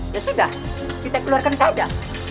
ya sudah kita keluarkan saja